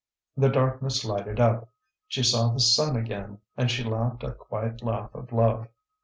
The darkness lighted up, she saw the sun again, and she laughed a quiet laugh of love.